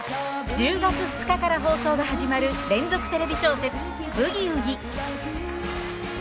１０月２日から放送が始まる連続テレビ小説「ブギウギ」。